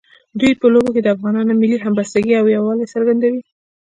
د دوی په لوبو کې د افغانانو ملي همبستګۍ او یووالي څرګندوي.